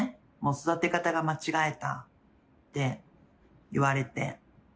育て方が間違えたって言われて。